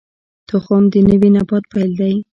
تخم د نوي نبات پیل دی